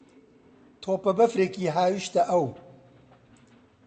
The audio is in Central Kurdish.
تۆپەبەفرێکی هاوێشتە ئەو.